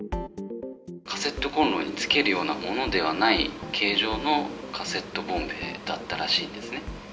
カセットコンロにつけるようなものではない形状のカセットボンベだったらしいんですね。